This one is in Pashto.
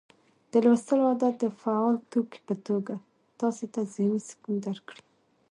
د لوستلو عادت د فعال توکي په توګه تاسي ته ذهني سکون درکړي